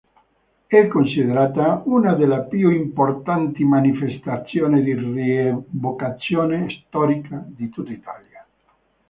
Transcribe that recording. È considerata una delle più importanti manifestazioni di rievocazione storica di tutta Italia.